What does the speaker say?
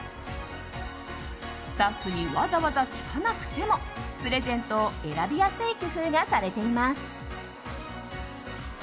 スタッフにわざわざ聞かなくてもプレゼントを選びやすい工夫がされています。